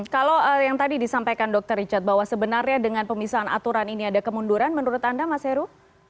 kalau yang tadi disampaikan dr richard bahwa sebenarnya dengan pemisahan aturan ini ada kemunduran menurut anda mas heru